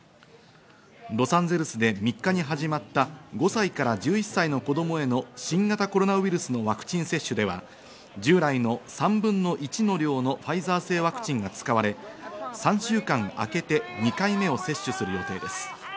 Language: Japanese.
ロサンゼルスで３日に始まった５歳から１１歳の子供への新型コロナウイルスのワクチン接種では、従来の３分の１の量のファイザー製ワクチンが使われ、３週間あけて２回目を接種する予定です。